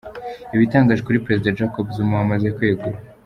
Ibitangaje kuri Perezida Jacob Zuba wamaze kwegura…